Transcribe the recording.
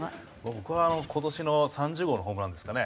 僕は今年の３０号のホームランですかね。